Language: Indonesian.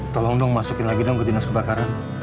tolong dong masukin lagi dong ke dinas kebakaran